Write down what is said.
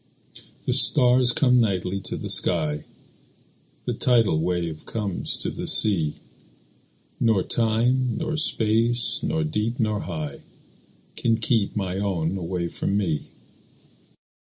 The stars come nightly to the sky; The tidal wave comes to the sea; Nor time, nor space, nor deep, nor high, Can keep my own away from me.